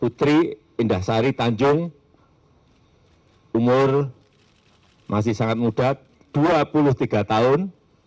putri indah sari tanjung umur masih sangat muda dua puluh tiga tahun